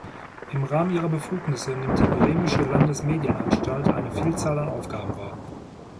Im Rahmen Ihrer Befugnisse nimmt die Bremische Landesmedienanstalt eine Vielzahl an Aufgaben wahr.